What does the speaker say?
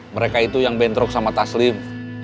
mereka itu yang bentrok sama taslim